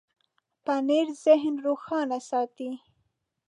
پنېر ذهن روښانه ساتي.